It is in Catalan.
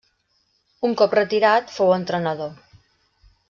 Un cop retirat fou entrenador.